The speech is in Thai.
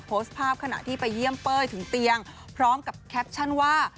โพสต์ภาพขณะที่ไปเยี่ยมเป้ยถึงเตียงพร้อมกับแคปชั่นว่า